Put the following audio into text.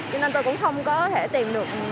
cho nên tôi cũng không có thể tìm được